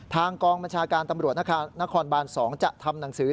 ทางกองบัญชาการตำรวจนครบาน๒จะทำหนังสือ